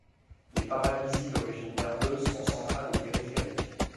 Les paralysies d'origine nerveuse sont centrales ou périphériques.